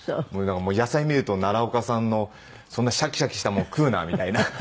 だから野菜見ると奈良岡さんの「そんなシャキシャキしたもの食うな」みたいな。